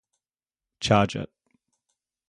Charge it.